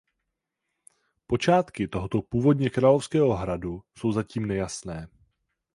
Počátky tohoto původně královského hradu jsou zatím nejasné.